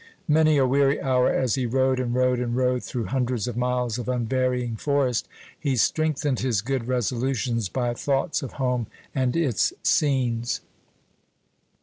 Many a weary hour, as he rode, and rode, and rode through hundreds of miles of unvarying forest, he strengthened his good resolutions by thoughts of home and its scenes.